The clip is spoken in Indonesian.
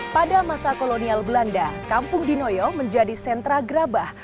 pada masa kolonial belanda kampung dinoyo menjadi sentra gerabah